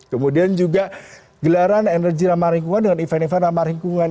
kemudian juga gelaran energi ramah lingkungan dengan event event ramah lingkungan